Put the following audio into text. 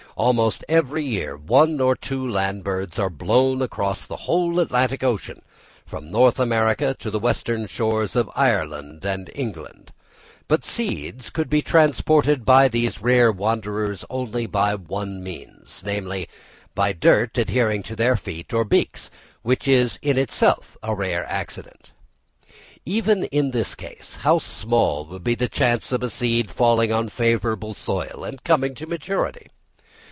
Almost every year, one or two land birds are blown across the whole Atlantic Ocean, from North America to the western shores of Ireland and England; but seeds could be transported by these rare wanderers only by one means, namely, by dirt adhering to their feet or beaks, which is in itself a rare accident. Even in this case, how small would be the chance of a seed falling on favourable soil, and coming to maturity!